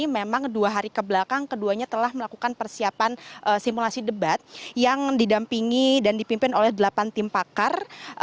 memang dua hari kebelakang keduanya telah melakukan persiapan simulasi debat yang didampingi dan dipimpin oleh delapan tim pakar